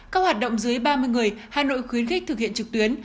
các hoạt động dưới ba mươi người hà nội khuyến khích thực hiện trực tuyến